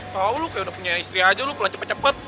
tau lo kayak udah punya istri aja lo pulang cepet cepet